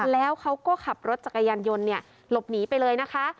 แล้วเขาก็ขับรถจักรยานยนต์หลบหนีไปเลยนะคะ